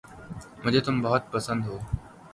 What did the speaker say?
مجھے تم بہت پسند ہو